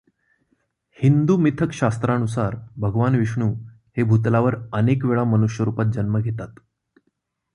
हिंदु मिथकशास्त्रानुसार भगवान विष्णु हे भूतलावर अनेक वेळा मनुष्यरूपात जन्म घेतात.